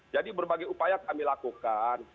jadi berbagai upaya kami lakukan